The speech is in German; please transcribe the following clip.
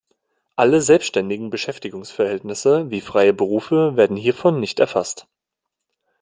Alle selbständigen Beschäftigungsverhältnisse wie freie Berufe werden hiervon nicht erfasst.